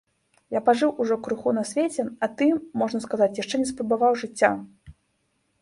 Я пажыў ужо крыху на свеце, а ты, можна сказаць, яшчэ не спрабаваў жыцця.